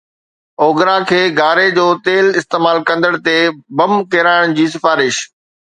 OGRA کي گاري جو تيل استعمال ڪندڙن تي بم ڪيرائڻ جي سفارش